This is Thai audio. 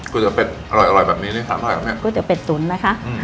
ก๋วยเต๋อเบ็ดอะรอบนี้อะเนี่ยก๋วยเต๋อเบ็ดซุ้นนะคะ